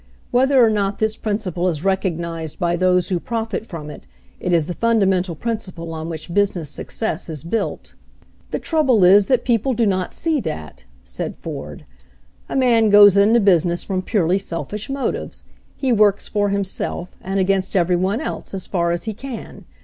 Whether or not this principle is recognized by those who profit from it, it is the fundamental principle on which busi ness success is built "The trouble is that people do not see that/' said Ford. "A man goes into business from purely selfish motives; he works for himself, and against every one else, as far as he can.